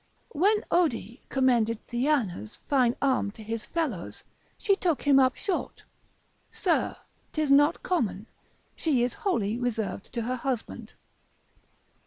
When Ode commended Theana's fine arm to his fellows, she took him up short, Sir, 'tis not common: she is wholly reserved to her husband.